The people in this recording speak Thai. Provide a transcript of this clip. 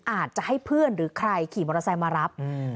อาจจะให้เพื่อนหรือใครขี่มอเตอร์ไซค์มารับ